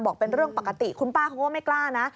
เป็นเรื่องปกติคุณป้าเขาก็ไม่กล้านะ